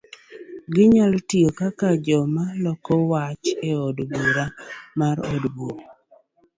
Ginyalo tiyo kaka joma loko weche e od bura mar od bura,